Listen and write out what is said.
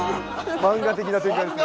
マンガ的な展開ですね。